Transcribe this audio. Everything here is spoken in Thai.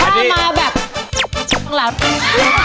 ถ้ามาแบบข้างหลัง